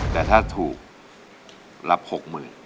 แต่ถ้าถูกรับ๖๐๐๐บาท